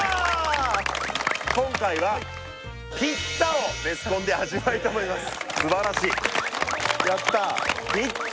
今回はピッツァをベスコンで味わおうと思いますピッツァ